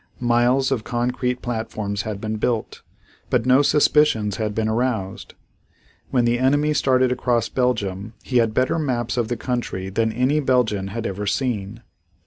Miles of concrete platforms had been built, but no suspicions had been aroused. When the enemy started across Belgium he had better maps of the country than any Belgian had ever seen.